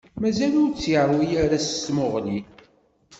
Mazal ur tt-yeṛwi ara s tmuɣli